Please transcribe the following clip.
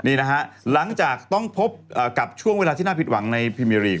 นี่นะฮะหลังจากต้องพบกับช่วงเวลาที่น่าผิดหวังในพิมิลีก